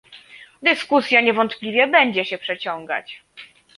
Dyskusja niewątpliwie będzie się przeciągać